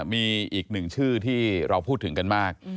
มีอีกหนึ่งชื่อที่เราพูดถึงกันมาก